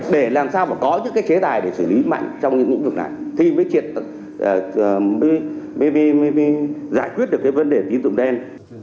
để làm sao mà có những cái chế tài để xử lý mạnh trong những vấn đề này thì mới giải quyết được cái vấn đề tín dụng đen